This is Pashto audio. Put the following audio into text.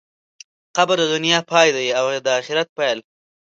قبر د دنیا پای دی او د آخرت پیل.